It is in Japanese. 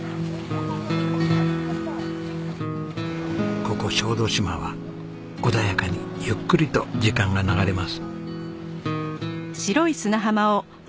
ここ小豆島は穏やかにゆっくりと時間が流れます。